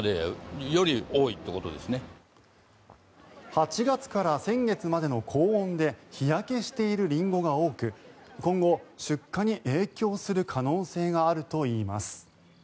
８月から先月までの高温で日焼けしているリンゴが多く今後、出荷に影響する可能性があるといいます。